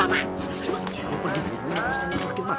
mak ujian gak tau apa apa mak